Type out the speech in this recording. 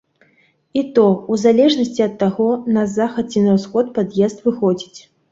І то, у залежнасці ад таго, на захад ці на ўсход пад'езд выходзіць.